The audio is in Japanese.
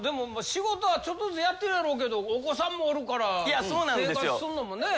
仕事はちょっとずつやってるやろうけどお子さんもおるから生活するのもね。